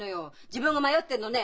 自分が迷ってんのね